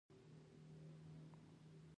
د پوهنتون کتابتون د علم خزانه ګڼل کېږي.